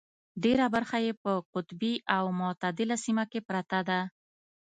ډېره برخه یې په قطبي او متعدله سیمه کې پرته ده.